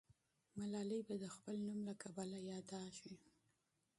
ملالۍ به د خپل نوم له کبله یادېدلې وي.